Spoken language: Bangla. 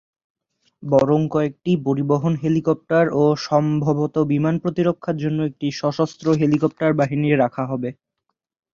বরং কয়েকটি পরিবহন হেলিকপ্টার ও সম্ভবত বিমান প্রতিরক্ষার জন্য একটি সশস্ত্র হেলিকপ্টার বাহিনী রাখা হবে।